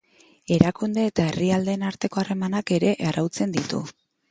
Erakunde eta herrialdeen arteko harremanak ere arautzen ditu.